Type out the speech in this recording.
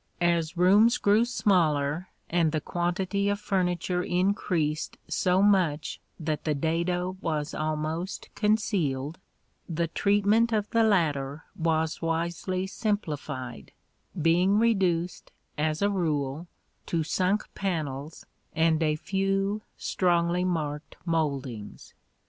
As rooms grew smaller and the quantity of furniture increased so much that the dado was almost concealed, the treatment of the latter was wisely simplified, being reduced, as a rule, to sunk panels and a few strongly marked mouldings.